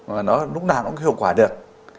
mà nó lúc nào cũng hiệu quả được